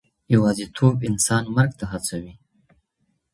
يوازيتوب انسان مرګ ته هڅوي.